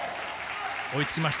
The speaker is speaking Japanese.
追いつきました。